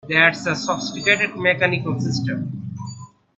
That's a sophisticated mechanical system!